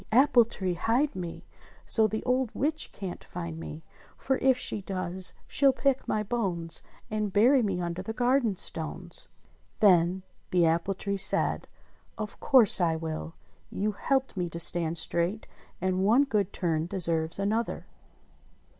Apple tree, hide me So the old witch can't find me, For if she does she'll pick my bones, And bury me under the garden stones." Then the apple tree said, "Of course I will. You helped me to stand straight, and one good turn deserves another."